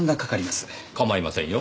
構いませんよ。